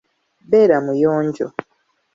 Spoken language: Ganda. Beera muyonjo.